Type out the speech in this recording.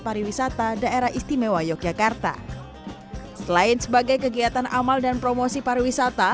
pariwisata daerah istimewa yogyakarta selain sebagai kegiatan amal dan promosi pariwisata